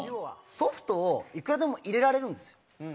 ソフトをいくらでも入れられるんですよ。